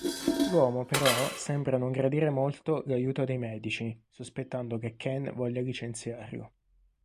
L'uomo però sembra non gradire molto l'aiuto dei medici, sospettando che Ken voglia licenziarlo.